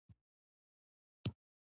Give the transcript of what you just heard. نه د سعودي دا ودانۍ ګوري.